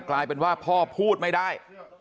กลายเป็นว่าพ่อพูดไม่ได้